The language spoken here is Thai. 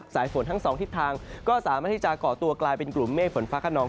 สายฝนทั้งสองทิศทางก็สามารถที่จะก่อตัวกลายเป็นกลุ่มเมฆฝนฟ้าขนอง